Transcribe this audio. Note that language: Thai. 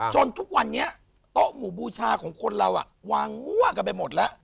ทุกวันนี้โต๊ะหมู่บูชาของคนเราวางงั่วกันไปหมดแล้ว